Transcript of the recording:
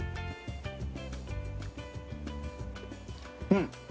うん。